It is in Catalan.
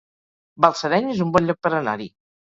Balsareny es un bon lloc per anar-hi